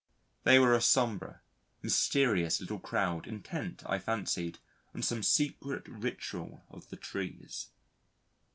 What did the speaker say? They were a sombre mysterious little crowd intent, I fancied, on some secret ritual of the trees.